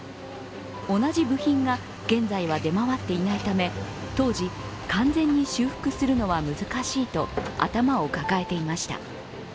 同じ部品が現在は出回っていないため当時、完全に修復するのは難しいと頭を抱えていました。